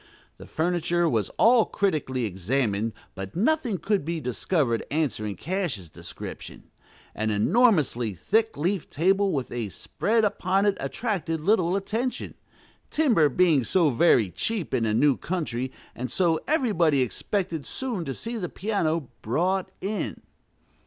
The furniture was all critically examined, but nothing could be discovered answering Cash's description. An enormously thick leafed table with a "spread" upon it attracted little attention, timber being so very cheap in a new country, and so everybody expected soon to see the piano "brought in."